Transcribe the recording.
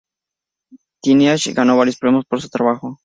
Taniguchi ganó varios premios por su trabajo.